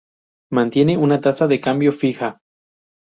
Mantiene una tasa de cambio fija.